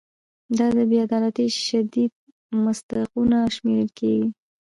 دا د بې عدالتۍ شدید مصداقونه شمېرل کیږي.